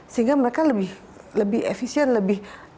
sehingga mereka lebih efisien lebih